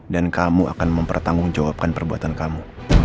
dan kamu akan mempertanggung jawabkan perbuatan kamu